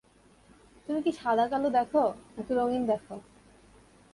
তুমি কি সাদা-কালো দেখো নাকি রঙ্গীন দেখো?